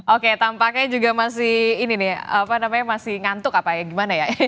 oke tampaknya juga masih ngantuk apa ya gimana ya